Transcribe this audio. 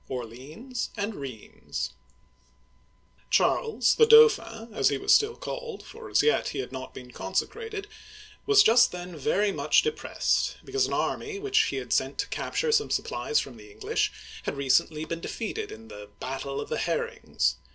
ORLEANS AND RHEIMS CHARLES — the Dauphin, as he was still called, for, as yet, he had not been consecrated — was just then very much depressed, because an army which he had sent to capture some supplies from the English had recently been defeated in the " Battle of the Herrings."